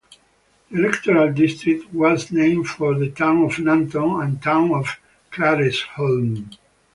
The electoral district was named for the Town of Nanton and Town of Claresholm.